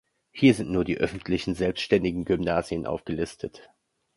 Hier sind nur die öffentlichen selbständigen Gymnasien aufgelistet.